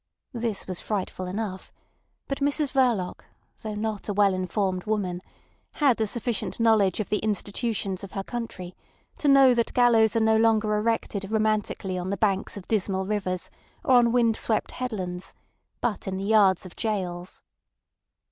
This was frightful enough, but Mrs Verloc, though not a well informed woman, had a sufficient knowledge of the institutions of her country to know that gallows are no longer erected romantically on the banks of dismal rivers or on wind swept headlands, but in the yards of jails.